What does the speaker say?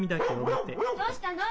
どうしたの？